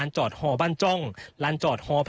อันนี้คือเต็มร้อยเปอร์เซ็นต์แล้วนะครับ